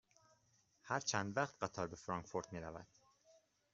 هر چند وقت قطار به فرانکفورت می رود؟